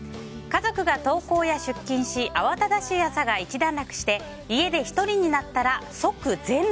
家族が登校や出勤し慌ただしい朝が一段落して、家で１人になったら即全裸。